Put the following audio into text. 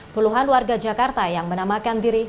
puluhan warga jakarta yang menamakan diri